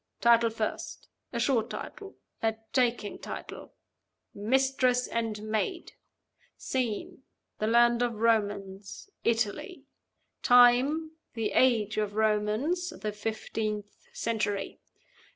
Title first. A short title, a taking title: 'Mistress and Maid.' Scene, the land of romance Italy. Time, the age of romance the fifteenth century.